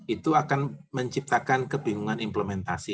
itu akan menciptakan kebingungan implementasi